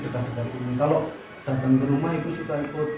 kalau datang ke rumah itu suka ikut